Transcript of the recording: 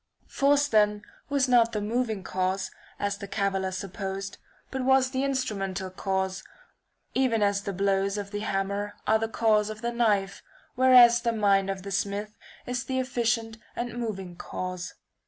Force then n^^oj was not the moving cause, as the caviller supposed, but was the instrumental cause, even as the blows of the hammer are the cause of the knife, whereas the mind of the smith is the efficient and moving cause.